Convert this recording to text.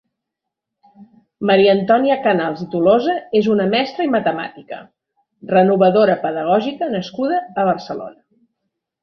Maria Antònia Canals i Tolosa és una mestra i matemàtica, renovadora pedagògica nascuda a Barcelona.